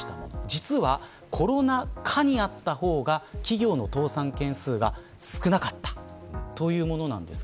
実はコロナ禍にあった方が企業の倒産件数が少なかったというものなんです。